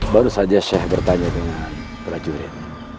baru saja sheikh bertanya dengan prajurit